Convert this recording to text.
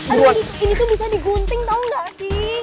ini tuh bisa digunting tau gak sih